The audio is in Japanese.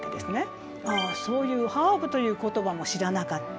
ああそういうハーブという言葉も知らなかった。